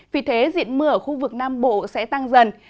vì thế diện mưa ở khu vực nam bộ sẽ tăng dần